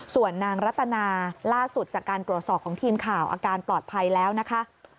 ส่วนนางรัตนาล่าสุดจากการตรวจสอบของทีมข่าวอาการปลอดภัยแล้วนะคะ